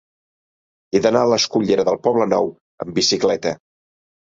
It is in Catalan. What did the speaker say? He d'anar a la escullera del Poblenou amb bicicleta.